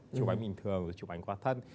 chụp ảnh bình thường chụp ảnh qua thân